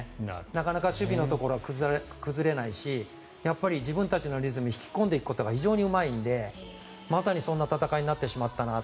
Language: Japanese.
なかなか守備のところが崩れないし自分たちのリズムに引き込んでいくことが非常にうまいので、まさにそんな戦いになってしまったな。